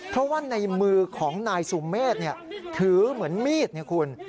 เพราะว่าในมือของนายสุเมฆถือเหมือนมีดเนี่ยคุณ